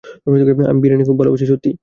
আমি বিরিয়ানি খুব ভালোবাসি - সত্যিই?